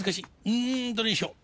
うんどれにしよう。